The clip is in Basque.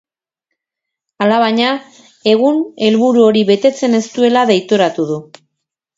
Alabaina, egun helburu hori betetzen ez duela deitoratu du.